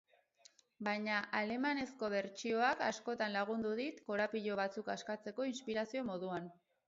Baina alemanezko bertsioak askotan lagundu dit korapilo batzuk askatzeko inspirazio moduan.